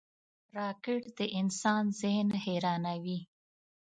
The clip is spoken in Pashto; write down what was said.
راکټ د انسان ذهن حیرانوي